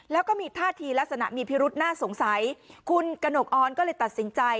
แล้วก็มีท่าทีลักษณะมีพิรุษน่าสงสัยคุณกระหนกออนก็เลยตัดสินใจ